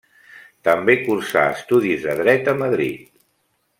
També cursà estudis de Dret a Madrid.